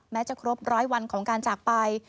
จะครบร้อยวันของการจากไป